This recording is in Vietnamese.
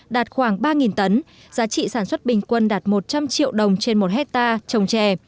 đạt khoảng ba tấn giá trị sản xuất bình quân đạt một trăm linh triệu đồng trên một hectare trồng trè